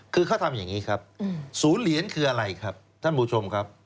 คือเขาทำอย่างนี้ครับศูนย์เหรียญคืออะไรครับท่านผู้ชมครับ